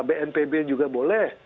bnpb juga boleh